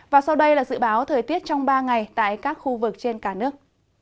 và sau đây là dự báo thời tiết trong ba ngày tại các khu vực trên cả nước